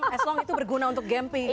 as long itu berguna untuk gempy gitu ya